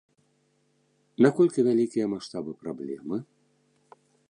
Наколькі вялікія маштабы праблемы?